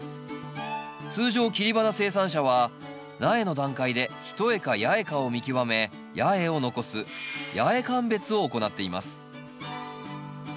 通常切り花生産者は苗の段階で一重か八重かを見極め八重を残す八重鑑別を行っています。